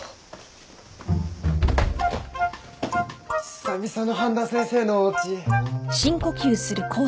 久々の半田先生のおうち。